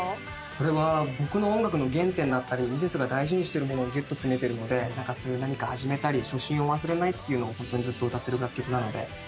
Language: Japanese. これは僕の音楽の原点だったりミセスが大事にしているものをぎゅっと詰めてるので何か始めたり初心を忘れないっていうのをずっと歌ってる楽曲なのでお贈りしたいと思います。